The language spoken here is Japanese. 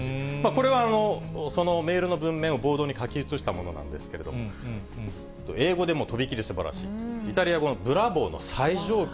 これはそのメールの文面をボードに書き写したものなんですけれども、英語でも飛び切りすばらしい、イタリア語のブラボーの最上級。